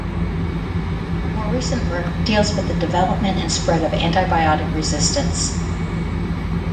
More recent work deals with the development and spread of antibiotic resistance.